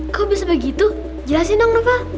kok bisa begitu jelasin dong pak